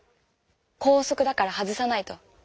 校則だから外さないと。